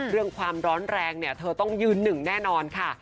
เรื่องความร้อนแรงเนี่ยเธอต้องยืนหนึ่งแน่นอนค่ะ